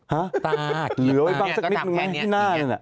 ฮะตาเหลือไว้บ้างสักนิดนึงไหมที่หน้านั่นน่ะ